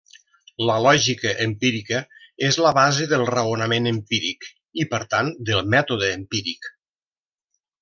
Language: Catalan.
La lògica empírica és la base del raonament empíric i per tant del mètode empíric.